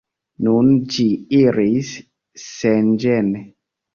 Nun ĝi iris senĝene.